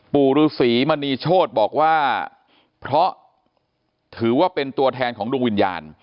ปู่ฤษีมณีโชธบอกว่าเพราะถือว่าเป็นตัวแทนของดวงวิญญาณ